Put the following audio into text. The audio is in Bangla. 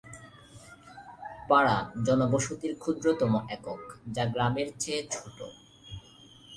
পাড়া জনবসতির ক্ষুদ্রতম একক, যা গ্রামের চেয়ে ছোট।